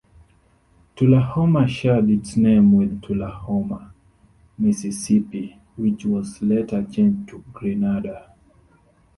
Tullahoma shared its name with Tullahoma, Mississippi which was later changed to Grenada.